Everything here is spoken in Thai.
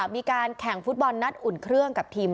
มีการแข่งฟุตบอลนัดอุ่นเครื่องกับทีม